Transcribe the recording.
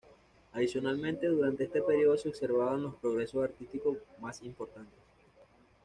Adicionalmente, durante este período se observan los progresos artísticos más importantes.